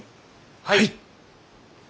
はい！